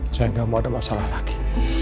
saya gak mau ada masalah lagi